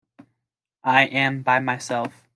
I am by myself.